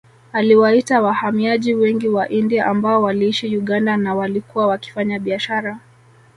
Aliwaita wahamiaji wengi wa India ambao waliishi Uganda na walikuwa wakifanya biashara